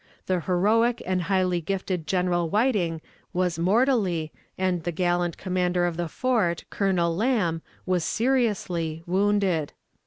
The heroic and highly gifted General Whiting was mortally, and the gallant commander of the fort, Colonel Lamb, was seriously, wounded.